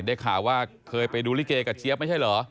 ได้ข่าวว่าเคยไปดูลิเกกับเจี๊ยบไม่ใช่เหรอ